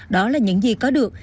đó là những gì có được